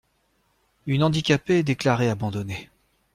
Une handicapée déclarait abandonner.